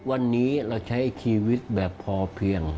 วันนี้เราใช้ชีวิตแบบพอเพียง